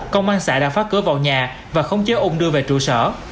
công an xã đã phá cửa vào nhà và khống chế ung đưa về trụ sở